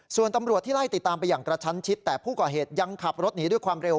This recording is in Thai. ส่วนตำรวจที่ไล่ติดตามไปอย่างกระชั้นชิดแต่ผู้ก่อเหตุยังขับรถหนีด้วยความเร็ว